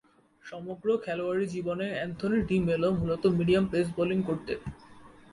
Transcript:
সমগ্র খেলোয়াড়ী জীবনে অ্যান্থনি ডি মেলো মূলতঃ মিডিয়াম পেস বোলিং করতেন।